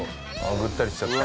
ぐったりしちゃった。